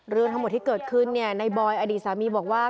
เรื่องทั้งหมดที่เกิดขึ้นในบอยอดีตสามีบอกว่า